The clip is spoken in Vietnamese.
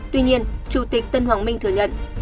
tuy nhiên chủ tịch tân hoàng minh thừa nhận